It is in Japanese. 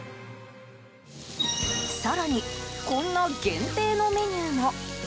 更に、こんな限定のメニューも。